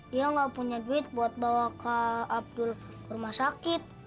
dia nggak punya duit buat bawa ke abdul ke rumah sakit